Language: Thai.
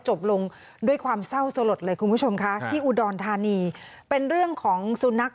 จบลงด้วยความเศร้าสลดเลยคุณผู้ชมค่ะที่อุดรธานีเป็นเรื่องของสุนัข